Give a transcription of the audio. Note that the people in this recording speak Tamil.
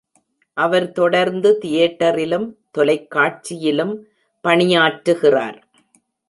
அவர் தொடர்ந்து தியேட்டரிலும் தொலைக்காட்சியிலும்பணியாற்றுகிறார்.